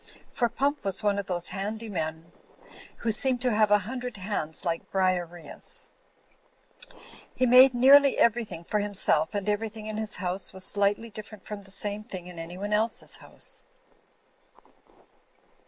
For Pump was one of those handy men who seem to have a hundred hands like Briareus ; he made nearly everything for himself and everything in his house was slightly different from the same thing in anyone else's house.